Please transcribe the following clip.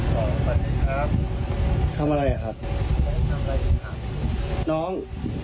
สวัสดีครับทำอะไรอ่ะครับทำอะไรอีกครับน้อง